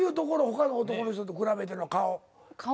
他の男の人と比べての顔。